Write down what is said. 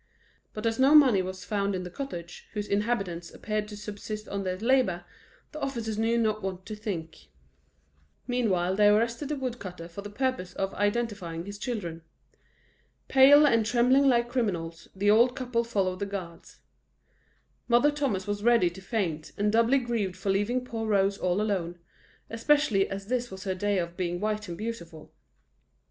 But as no money was found in the cottage, whose inhabitants appeared to subsist on their labour, the officers knew not what to think. Meantime they arrested the woodcutter for the purpose of identifying his children. Pale, and trembling like criminals, the old couple followed the guards. Mother Thomas was ready to faint, and doubly grieved for leaving poor Rose all alone, especially as this was her day for being white and beautiful.